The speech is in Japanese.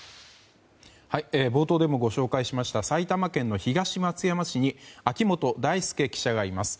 冒頭でもご紹介しました埼玉県の東松山市に秋本大輔記者がいます。